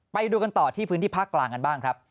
ไปดูกันต่อที่พื้นที่ภาคกลางกันบ้างครับ